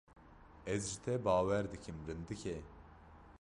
Ez ji te bawer dikim rindikê.